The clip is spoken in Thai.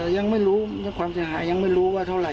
ยังไม่รู้ความเสียหายยังไม่รู้ว่าเท่าไห